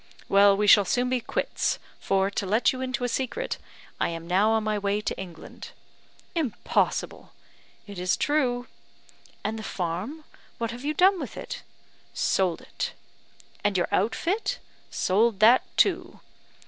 Well, we shall soon be quits, for, to let you into a secret, I am now on my way to England." "Impossible!" "It is true." "And the farm what have you done with it?" "Sold it." "And your outfit?" "Sold that too."